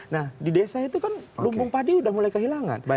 nah di desa itu kan lumbung padi sudah mulai kehilangan